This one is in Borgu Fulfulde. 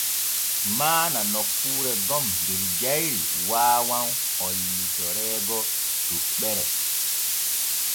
Maana nokkuure gon der jayri waawan hollitoreego toɓɓere.